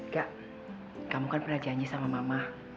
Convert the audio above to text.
gak kamu kan pernah janji sama mama